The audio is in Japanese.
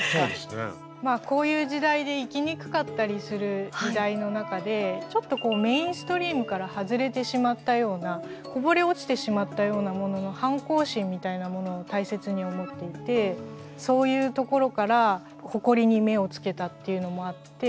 こういう時代で生きにくかったりする時代の中でちょっとこうメインストリームから外れてしまったようなこぼれ落ちてしまったようなものの反抗心みたいなものを大切に思っていてそういうところからほこりに目をつけたっていうのもあって。